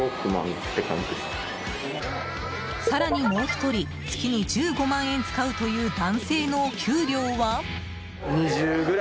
更にもう１人月に１５万円使うという男性のお給料は？